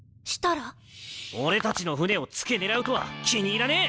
俺たちの船をつけ狙うとは気に入らねえ！